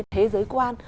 thế giới quan